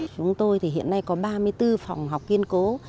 chúng tôi thì hiện nay có ba mươi bốn phòng học kiên cố